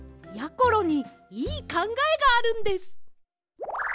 ころにいいかんがえがあるんです。